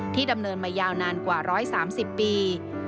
ดำเนินมายาวนานกว่า๑๓๐ปี